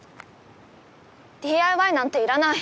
ＤＩＹなんていらない！